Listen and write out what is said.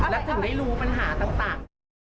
และถึงได้รู้ปัญหาต่าง